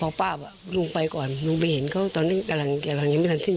แล้วพ่อป้าว่ะลุงไปก่อนลุงไปเห็นเขาตอนนั้นกำลังที่กำลังยังไม่ทันที่